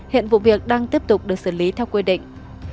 hiện vụ việc đang tiếp tục được xử lý theo quy định